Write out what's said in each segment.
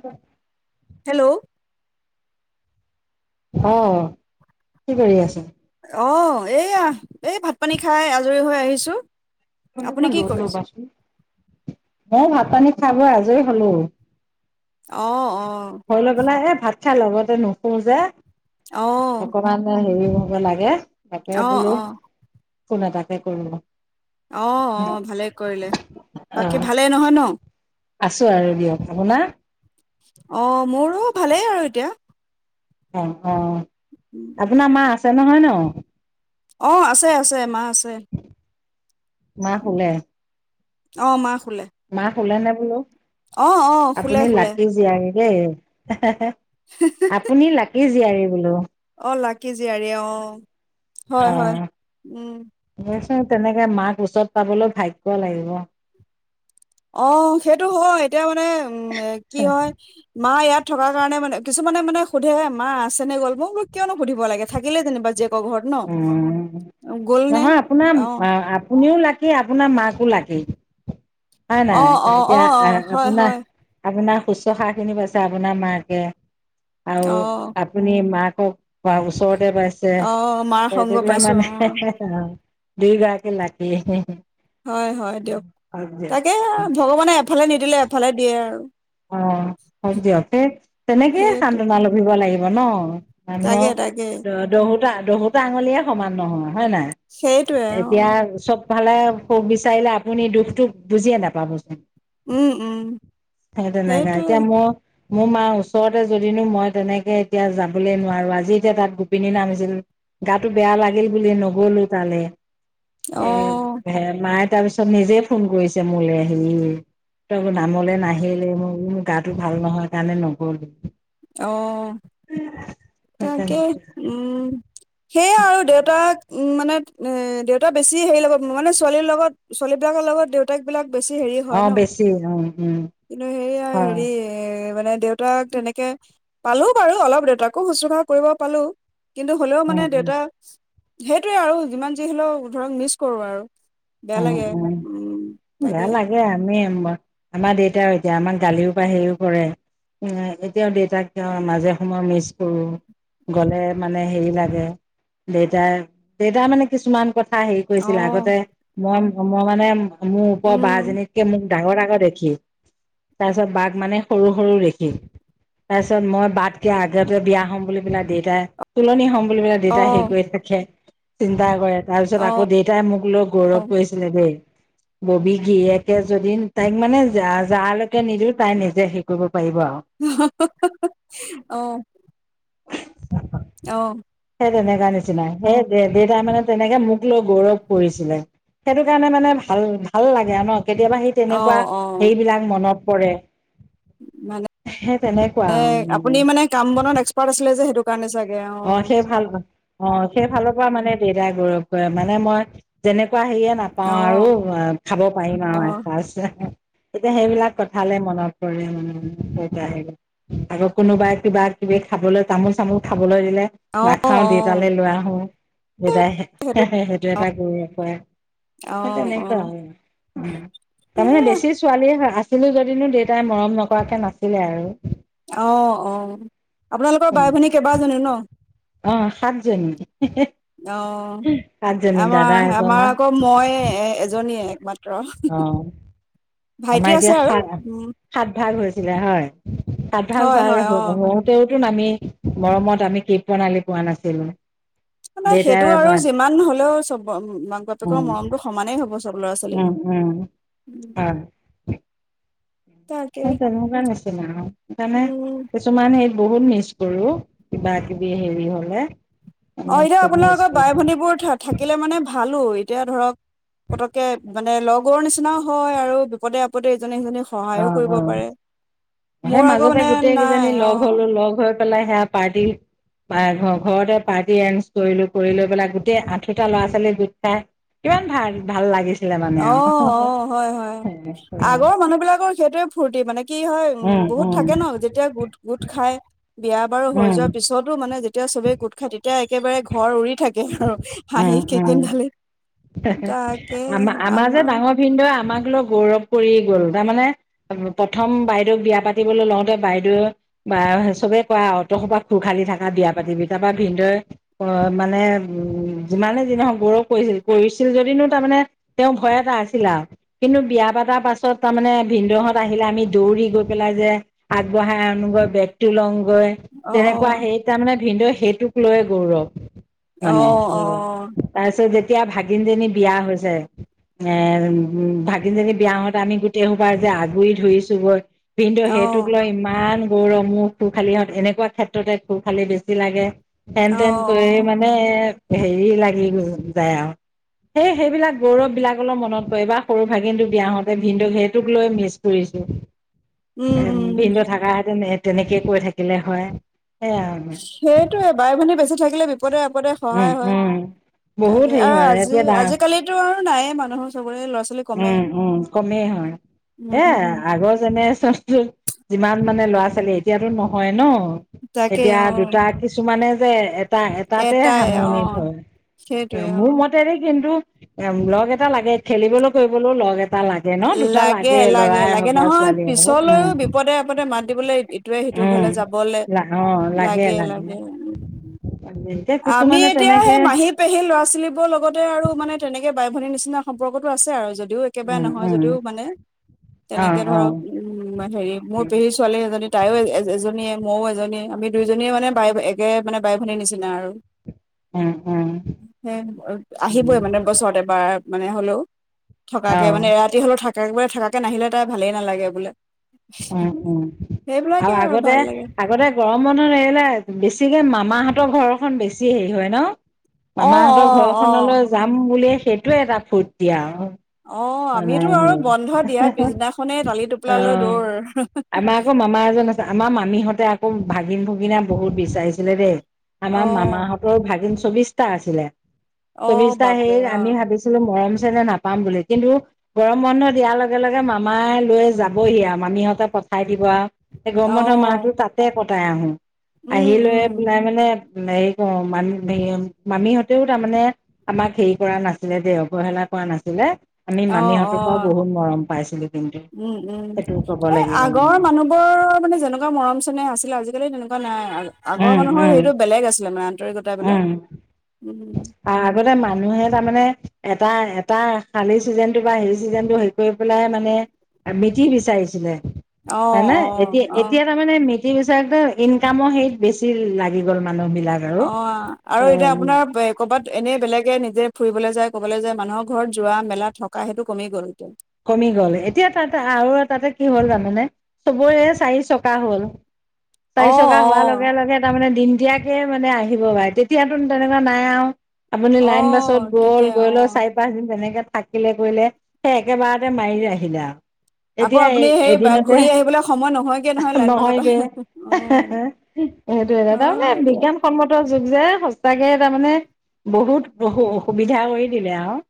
[inaudible] Hello. অ', কি কৰি আছা? অ', এইয়া এই ভাত-পানী খাই আজৰি হৈ আহিছোঁ। আপুনি [unintelligible] কি দূৰত কৰিছে ল'বাচোন। মইও ভাত-পানী খালোঁ, আজৰি হলোঁ। অ', অ'। লৈ পেলাই এই ভাত খাই লগতে নুশুও যে, অঁ অকণ মান হেৰি হ'ব লাগে, তাকে অঁ বোলোঁ অঁ ফোন এটাকে কৰি লওঁ। অ', অ', ভালেই কৰিলে। বাকী ভালেই নহয় ন? আছোঁ আৰু দিয়ক, আপোনাৰ? অ', মোৰো ভালেই আৰু এতিয়া। অ', অ', আপোনাৰ মাঁ আছে নহয় ন? অ', আছে, আছে মা আছে। মা শুলে। অ', মা শুলে। মা শুলে নে বোলোঁ? অঁ অঁ শুলে আপুনি শুলে লাকি জীয়াৰী দেই। হেঃ হেঃ। আপুনি লাকি জীয়াৰী বোলোঁ। অ', লাকি জীয়াৰী, অ'। অ', এইচোন তেনেকে মাক ওচৰত পাবলৈ ভাগ্য লাগিব। অ', সেইটো হয়, এতিয়া মানে উ'ম, কি হয় মা ইয়াত থকাৰ কাৰণে মানে, কিছুমানে মানে সুধেহে, 'মা আছে নে গ'ল? ' মই বোলো কিয়নো সুধিব লাগে, থাকিলে যেনিবা জীয়েকৰ ঘৰত ন অ', গ'ল নে নহয় আপোনাৰ অ মা আপুনিও লাকী। কি আপোনাৰ মাকো লাগে, হয় অ নাই? অ অ এতিয়া অ হয় হয় আ-আপোনাৰ আপোনাৰ শুশ্ৰূষাখিনি পাইছে আপোনাৰ মাকে আৰু অ আপুনি মাকক বা ওচৰতে পাইছে। অ', মা এইবিলাক মানে, হেঃ হেঃ অ দুইগৰাকীয়ে লাকী। হয় হয়, দিয়ক। তাকেহে, ভগৱানে এফালে নিদিলে, এফালে দিয়ে আৰু। অ', হয় দিয়ক, সেই তেনেকেই সেইটো সান্তনা লভিব লাগিব ন'। তাকে মানুহক তাকে অ' দহোতা- দহোতা আঙুলিয়ে সমান নহয়, হয় নাই? সেইটোৱে অ এতিয়া চব ফালে সুখ বিচাৰিলে, আপুনি দুখটো বুজিয়ে নাপাবচোন। উম, উম। সেই তেনেকা। সেইটোৱে এতিয়া ম মোৰ মাৰ ওচৰতে, যদিনো মই তেনেকে এতিয়া যাবলৈ নোৱাৰোঁ। আজি এতিয়া তাত গোপিনী নাম আছিল। গাটো বেয়া লাগিল বুলি নগ'লো তালে। অ এ হে- মায়ে তাৰপিছ ত নিজে ফোন কৰিছে মোলে আহি তই নামলে নাহি লি। মই বোলো মোৰ গাটো ভাল নহয়, কাৰণে নগ'লো। অ', সেই তাকে। তেনেকে উম, সেইয়া আৰু দেউতাক উম, মানে এ- দেউতা বেছি হেৰি লগত- মানে ছোৱালীৰ লগত- ছোৱালীবিলাকৰ লগত দেউ তাকবিলাক বেছি হেৰি অ হয় ন'। বেছি উম উম কিন্তু সেয়া হয় হেৰি এ মানে দেউতাক তেনেকে পালো বাৰু, অলপ দেউতাকো শুশ্ৰুষা কৰিব পালো। কিন্তু হ'লেও মানে উম উম দেউতা- সেইটোৱে আৰু, যিমান যি হ'লেও ধৰক মিছ কৰোঁ আৰু। বেয়া লাগে উম, বেয়া তাকে। লাগে আমি আম- আমাৰ দেউতাও এতিয়া আমাক গালিও পা হেৰিও কৰে। এতিয়াও দেউতাক মাজে সময় মিছ কৰোঁ। গ'লে মানে হেৰি লাগে। দেউতাই- দেউতাৰ মানে কিছুমান কথা হেৰি অ কৰিছিলে আগতে, মই- মই মানে মোৰ ওপৰৰ উম বাজনীত কে মোক ডাঙৰ ডাঙৰ দেখি। তাৰ পিছত বাক মানে সৰু সৰু দেখি। তাৰপিছত মই বাতকে আগতে বিয়া হ'ম বুলি পেলাই দেউতাই তুলনি হম বুলি প অ দেউতাই হেৰি কৰি থাকে, চিন্তা কৰে। তাৰ অ পিছত আকৌ দেউতাই মোক লৈ গৌৰৱ কৰিছিলে দেই। ববী গিৰিয়েকে যদি তাইক মানে যা- যালৈকে নিদিলেও, তাই নিজে সেই কৰিব পাৰিব আৰু। হঁ-হঁ-হঁ অ'। অ অ'। সেই তেনেকা নিচিনাই। সেই দে- দেউতাই মানে তেনেকে মোক লৈ গৌৰৱ কৰিছিলে। সেইটো কাৰণে মানে ভাল- ভাল লাগে আৰু ন', কেতিয়াবা সে অ তেনেকুৱা অ এইবিলাক মনত পৰে। মানে সেই তেনেকুৱা মানে। কাম-বনত এক্সপাৰ্ট আছিলে যে সেইটো কাৰণে চাগে অ'। অ' সেই ভাল অ' সেই ফালৰ পৰা মানে দেউতাই গৌৰৱ কৰে, মানে মই যেনেকুৱা হেৰিয়ে নাপাওঁ অ আৰু, খাব পাৰিম অ আৰু এসাঁজ। এতিয়া সেইবিলাক কথালে মনত পৰে মানে দেউতা [inaudible] আকৌ কোনোবাই কিবাকিবি খাবলৈ, তামোল-চামোল খাবলৈ দিলে অ অ নাখাও দেউতালৈ লৈ আহোঁ, দেউতাই সে- সে- সেইটো এটা গৌৰৱ কৰে। অ সেই অ তেনেকুৱা আৰু, উম। তাৰমানে সেয়া বেছি ছোৱালীয়ে আছিলো যদিনো দেউতাই মৰম নকৰাকে নাছিলে আৰু। অ', অ', আপোনালোকৰ বাই-ভনী কেইবাজনীও ন'? অ' সাতজনী, হঁ-হঁ, অ সাতজনী, আমাৰ দাদা আমাৰ এজনৰ আকৌ মই এ-এজনীয়ে একমাত্ৰ, অ ভাইটি আমাৰ আছে এতিয়া আৰু সাত উম। সাত ভাগ হৈছিলে হয়, সাত ভাগ হয় হোৱাৰ হয় অ [unintelligible] তেওঁতো নামি মৰমত আমি [unintelligible] প্ৰণালী পোৱা নাছিলোঁ। নহয় সেইটো আৰু যিমান হ'লেও চব মাক বাপেকৰ উম মৰমটো সমানেই হ'ব চা চব ল'ৰা ছোৱালী উম উম উম। হয় তাই তেনেকুৱা নিচিনা সেইকাৰণে উম চ' মানে ইক বহুত মিচ কৰোঁ, কিবাকিবি হেৰি হ'লে। অ' মানে এতিয়া খুব মিচ আপোনালোকৰ বাই কৰো ভনীবোৰ থাকিলে মানে ভালোঁ, এতিয়া ধৰক পতককে মানে লগৰ নিচিনায়ো হয় আৰু বিপদে আপদে ইজনী সিজনী অ' অ' সেই মোৰ আকৌ মাজতে মানে গোটেই নাই কেইজনী লগ অ', হ'লোঁ, লগ হৈ পালে সেয়া পাৰ্টি বাইয়েকৰ ঘৰতে পাৰ্টি এৰেঞ্জ কৰিলোঁ কৰি লৈ পেলাই গোটেই আশিটা ল'ৰা ছোৱালী গোট [unintelligible] কিমান ভাল, ভাল লাগিছ অ' অ' হয়, হয়, আগৰ মানুহবিলাকৰ সেইটোৱে ফূৰ্তি মানে কি হয় উম বহুত থাকে ন' যেতিয়া গোট, গোট খাই। বিয়া বাৰু উম হৈ উম যোৱাৰ পিছতো মানে যেতিয়া চবেই গোট খাই তেতিয়া একেবাৰে ঘৰ উৰি থাক কে আৰু উম হাঁহি কেইদিন উম ঢালি, তাকে। আমাৰ ভিন্দয়ে আমাক লৈ গৌৰৱ কৰি গ'ল, তাৰমানে প্ৰথম বাইদেউক বিয়া পাতিবলৈ লওঁতে বাইদেৱে বা চবে কয় আউ তহঁতৰ খুল খালি থাকা বিয়া পাতিবি তাৰপা ভিন্দোয়ে, অ' মানে উম যিমানে যি নহয় গৌৰৱ কৰিছিল, কৰিছিল যদিনো তাৰমানে তেওঁৰ ভয় এটা আছিল আউ। কিন্তু বিয়া পাতাৰ পাছত তাৰমানে ভিনদহত আহিলে আমি দৌৰি গৈ পেলাই যে আগবঢ়াই আনো বা বেগটো লওঁ গৈ। তেনেকুৱা অ', সেই তাৰমানে ভিন্দ সেইটোক লৈয়ে গৌৰৱ। অ', মানে অ', [unintelligible] পাইছে যেতিয়া ভাগিনজনী বিয়া হৈছে। এ ভাগিনজনী বিয়া হওঁতে আমি গোটেই খোপাই যে আগুৰি ধৰিছোঁ গৈ। ভিন্দ অ', সেইটোক লৈ ইমান গৌৰৱ মোৰ। খুল খালিহঁত এনেকুৱা ক্ষেত্ৰতে খুল খালি বেছি লাগে, হেন অ', তেন কৰিয়ে অ', মান [unintelligible] হেৰি লাগি [unintelligible] যায় আৰু। সেই সেইবিলাক গৌৰৱবিলাক অলপ মনত পৰে বাহ সৰু ভাগিনটো বিয়া হওঁতে ভিন্দই সেইটোক লৈ মিছ কৰিছে। উম, এ উম, ভিন্দো থাকা হেতেন এ তেনেকেই কৈ থাকিলে হয়, সেয়া। সেইটোৱে বাই-ভনী বেচি থাকিলে বিপদে আপদে উম সহায় হয়, উম বহুত তাকে হেৰি আৰু হয় এতিয়া আজি-আজিকালিতো আৰু নাইয়ে মানুহৰ চবৰে ল'ৰা ছোৱালী কমেই। উম, উম কমেই হয়, এ উম আগৰ জেনেৰেচনটো যিমান মানে ল'ৰা ছোৱালী এতিয়াতো নহয় ন' তাকে এতিয়া অ দুটা কিছুমানে যে এটা-এটাতে এটাই অ সামৰণি হয়, এ সেইটোৱে অ মোৰ মত [unintelligible] কিন্তু, এ লগ এটা লাগে খেলিবলৈ কৰিবলৈয়ু লগ এটা লাগে ন দুটা লাগে, লাগে, লৰাই লাগে হওক বা নহয় ছোৱালীয়ে হওক পিছলৈয়ো উম বিপদে আপদে মাত দিবলে ইটোৱে সিটোৰ উম ঘৰলে যাবলে, লাগে, লাগে। এতিয়া আমি কিছুমানে এতিয়া তেনেকে সেই মাহীত পেহীৰ ল'ৰা ছোৱালীবোৰৰ লগতে আৰু মানে তেনেকে বাই ভনীৰ নিচিনা সম্পৰ্কটো আছে আৰু যদিও একেবাৰে উম নহয়। উম যদিয়ো মানে, অ তেনেকে অ ধৰক উম হেৰি মোৰ উম পেহী ছোৱালী এজনী তাইয়ো এজনীয়ে মইয়ো এজনীয়ে আমি দুইজনীয়ে মানে বাই এক কে মানে বাই ভনীৰ নিচিনা আৰু। উম সেই আহিবই উম মানে বছৰত এবাৰ মানে হ'লেও। অ থকাকে মানে এৰাতি হ'লেও থাকে থাকাকে নাহিলে তাই ভালেই নালাগে বোলে। [unintelligible] সেইবিলাকে আৰু আগতে ভাল লাগে আগতে। গৰম বন্ধত আহিলে বেছিকে মামাহঁতৰ ঘৰখন বেছি হেৰি হয় ন। অ অ মামাহঁতৰ অ ঘৰখনলৈ যাম বুলিয়ে সেইটোয়ে এটা ফূৰ্তি আৰু। অ [unintelligible] আমিতো আৰু বন্ধ দিয়া পিছদিনাখনেই টালি টোপোলা লৈ দৌৰ আমাৰ আকৌ মামা এজন আছে। আমাৰ মামীহঁতে আকৌ ভাগিন ভুগিনা বহুত বিচাৰিছিলে দেই অ আমাৰ মামাহঁতে। ভাগিন চৌবিশটা আছিলে অ চৌবিশটা সেই বাপৰে অ আমি ভাবিছো। মৰম চেনেহ নাপাম বুলি। কিন্তু গৰম বন্ধ দিয়াৰ লগে লগে মামাই লৈ যাবহি আৰু মামীহঁতে পঠাই দিব আৰু। গৰম অ বন্ধৰ মাহটো তাতে কটাই আহো উম আহি লৈ উম পেলাই মানে। হেৰি কৰো মা মামীহঁতেও তাৰমানে। আমাক হেৰি কৰা নাছিলে দে অৱহেলা কৰা নাছিলে। আমি অ অ মামীহঁতৰ পৰাও বহুত মৰম পাইছিলো কিন্তু উম উম সেইটো ক'ব এ লাগিব আগৰ মানে মানুহ। ৰ মানে যেনেকুৱা মৰম চেনেহ আছিলে আজিকালি তেনেকুৱা নাই আগৰ উম মানুহৰ উম হেৰিটো বেলেগ আছিলে মানে। [unintelligible] উম। উম আৰু আগতে মানুহে তাৰমানে এটা এটা শালি চিজনটো বা হেৰি চিজনটো। গৈ পেলাই মানে মিতিৰ বিচাৰিছিলে অ হয় নে এতিয়া অ অ এতিয়া তাৰমানে মি। সেই হিচাপে ইনকামৰ হেৰিত বেছি লাগি গ'ল মানুহবিলাক। অ আৰু এতিয়া আপোনাৰ বে। ক'ৰবাত এনে বেলেগে নিজে ফুৰিবলৈ যায় ক'বলৈ যায় মানুহৰ ঘৰত যোৱা মেলা থকা সেইটো কমি গ'ল এ। কমি গ'ল এতিয়া তাতে আৰু তাতে কি হ'ল জানানে চবৰে চাৰি চকা হ'ল। অ চাৰি চকা অ হোৱাৰ লগে লগে তাৰমানে দিন দিয়াকে মানে আহিব বাৰে তেতিয়াতো তেনেকোৱা নাই আও। আপুনি অ লাইন বাছত গ'ল তেতিয়া গৈ অ লৈ চাই। [unintelligible] তেনেকে থাকিলে কৰিলে সেই একেবাৰতে মাৰিলে আহিলে আও। আকৌ এতিয়া আপুনি এ সেই এদিনতে ঘূৰি আহিবলৈ সময় নহয়গে নহয় লাইন বাছত নহয়গে। অ এ হে হে সেইটো হয় তাৰমানে দিয়ক বিজ্ঞান। সন্মতৰ যুগ যে সঁচাকে তাৰমানে বহুত অসুবিধা কৰি দিলে আও। [inaudible]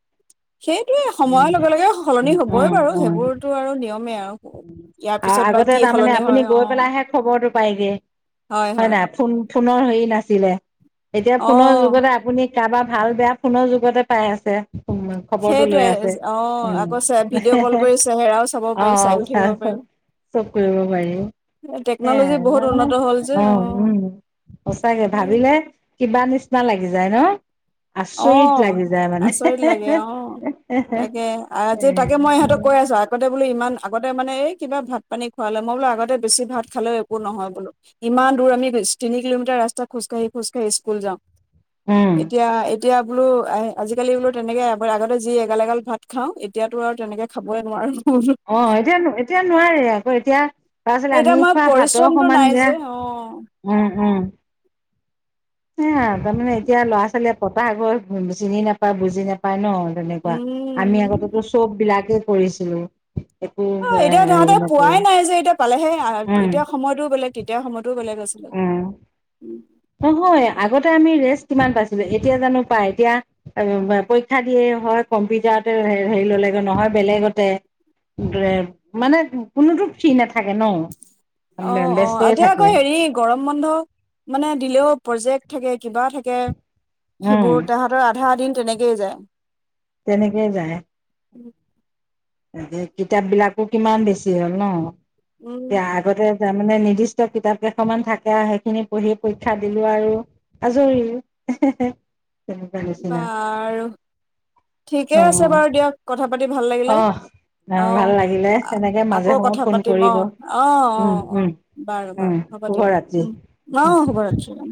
সেইটোৱে সময়ৰ লগে লগে সলনি হবই বাৰু উম সেইবোৰতো আৰু নিয়মেই আৰু। ইয়াৰ পিছত বা আগতে কি তাৰমানে সলনি আপুনি হয় অ গৈ পেলাইহে খবৰটো। পায়গে হয় নাই ফোন ফোনৰ হেৰি নাছিলে এতিয়া অ ফোনৰ যুগতে আপুনি। তাৰপৰা ভাল বেয়া ফোনৰ যুগতে পাই আছে। উম খবৰটো লৈ সেইটোৱে আছে অ উম আকৌ ভিডিঅ' এহে কল হে কৰি চেহেৰাও চাব অ পাৰি চাইও থাকিব পাৰি চাইছোঁ। চব কৰিব পাৰি হে টেকন'লজি সেয়াই আৰু। বহুত উন্নত হ'ল যে তাৰমানে অ উম সঁচাকে ভাবিলে। কিবা নিচিনা লাগি যায় ন? অ আচৰিত লাগি যায় মানে আচৰিত লাগে অ তাকে আজি তাকে মই ইহঁতক কৈ আছো। আগতে বোলো ইমান আগতে মানে এই কিবা ভাত পানী খুৱালে মই বোলো আগতে বেছি ভাত খালেও একো নহয় বোলোঁ। ইমান দূৰ আমি তিনি কিলোমিটাৰ ৰাস্তাত খোজকাঢ়ি খোজকাঢ়ি স্কুল যাওঁ উম এতিয়া। এতিয়া বোলো আহ আজিকালি বোলো তেনেকে আগতে যি এগাল এগাল ভাত খাওঁ এতিয়াতো আৰু তেনেকে। খাবই নোৱাৰো। অ এতিয়া এতিয়া নোৱাৰে আকৌ এতিয়া। তাৰছতে এতিয়া আমি মই খোৱা ভাতৰ পৰিশ্ৰমটো সমান নাই যে অ', উম উম। সেয়া তাৰমানে এতিয়া ল'ৰা-ছোৱালীয়ে পতাহ আগৰ চিনি নাপায় বুজি নাপায় ন তেনেকোৱা আমি উম। আগতেটো চব বিলাকেই কৰিছিলোঁ। অ'এতিয়া তহঁতে পোৱাই নাই যে, এতিয়া পালেহে উম এতিয়া সময়তো বেলেগ তেতিয়া সময়তোও বেলেগ আছিলে। উম [unintelligible] নহয়, আগতে আমি ৰেষ্ট কিমান পাইছিলোঁ। এতিয়া জানো পাই, এতিয়া [unintelligible] পৰীক্ষা দিয়ে হয় কম্পিটাতে হেৰি হেৰি ল'লেগে নহয় বেলেগতে [unintelligible] মানে কোনোটোত ফ্ৰী নাথাকে ন অ অ ব্যস্তই এতিয়াও থাকে আকৌ হেৰি গৰম বন্ধ মানে দিলেও, প্ৰজেক্ট থাকে কিবা থাকে উম সেইবোৰ তাহাত ধৰ আধা দিন তেনেকেই যায়্ তেনেকেই যায়। [unintelligible] কিতাপবিলাকো কিমান বেছি হ'ল ন উম [unintelligible] আগতে তাৰমানে নিৰ্দিষ্ট কিতাপকেইখনমান থাকে আৰু সেইখিনি পঢ়ি পৰীক্ষা দিলো আৰু আজৰি এহে হে বাৰু, ঠিকে অ আছে বাৰু দিয়ক কথা পাতি ভাল অ লাগিলে। ভাল অ' লাগিলে সেনেকে মাজে আকৌ সময়ে কথা ফোন পাতিম কৰিব অহ অহ অ উম অহ উম বাৰু বাৰু উম হ'ব শুভৰাত্ৰি। দিয়ক উ অ হ'ব ৰাখিছোঁ